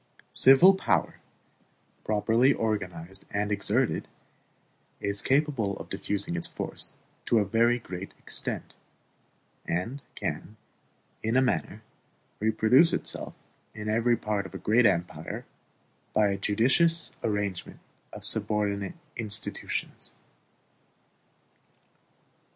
Civil power, properly organized and exerted, is capable of diffusing its force to a very great extent; and can, in a manner, reproduce itself in every part of a great empire by a judicious arrangement of subordinate institutions.